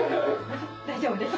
大丈夫です。